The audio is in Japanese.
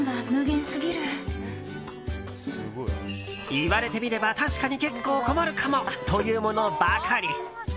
言われてみれば、確かに結構困るかもというものばかり。